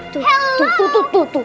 tuh tuh tuh